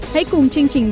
hãy cùng chương trình